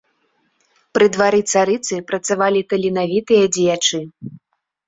Пры двары царыцы працавалі таленавітыя дзеячы.